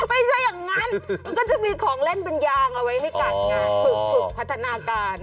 ไม่ใช่อย่างนั้นมันก็จะมีของเล่นเป็นยางเอาไว้ให้กัดงานฝึกฝึกพัฒนาการ